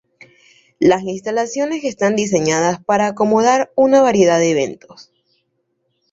Las instalaciones están diseñadas para acomodar una variedad de eventos.